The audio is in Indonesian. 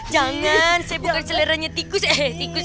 jangan saya buka seleranya tikus eh tikus